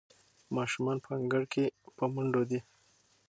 ماشومان په انګړ کې په منډو دي.